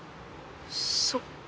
そっか。